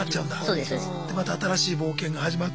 でまた新しい冒険が始まる。